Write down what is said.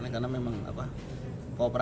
tim kuasa hukum menjawab